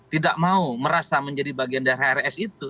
tidak mau merasa menjadi bagian dari hrs itu